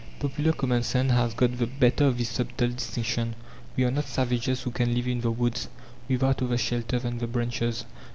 Popular common sense has got the better of this subtle distinction. We are not savages who can live in the woods, without other shelter than the branches.